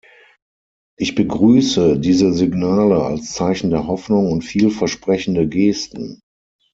Ich begrüße diese Signale als Zeichen der Hoffnung und viel versprechende Gesten.